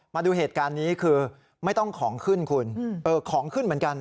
มาดูเหตุการณ์นี้คือไม่ต้องของขึ้นคุณของขึ้นเหมือนกัน